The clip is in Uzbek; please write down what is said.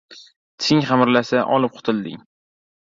Tishing qimirlasa, olib qutilding